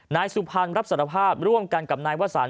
นายสุพรรณรับสารภาพร่วมกันกับนายวสัน